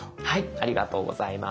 ありがとうございます。